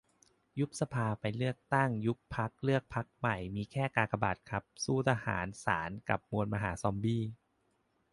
ยุบสภา ไปเลือกตั้ง. ยุบพรรค เลือกพรรคเกิดใหม่. มีแค่กากบาทครับ สู้ทหาร ศาล กับมวลมหาซอมบี้